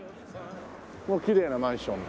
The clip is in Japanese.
きれいなマンションだ。